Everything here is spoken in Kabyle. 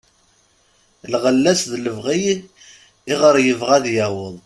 Lɣella-s d lebɣi iɣer yebɣa ad yaweḍ.